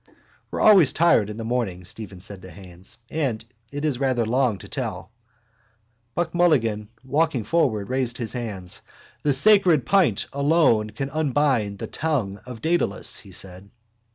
—We're always tired in the morning, Stephen said to Haines. And it is rather long to tell. Buck Mulligan, walking forward again, raised his hands. —The sacred pint alone can unbind the tongue of Dedalus, he said.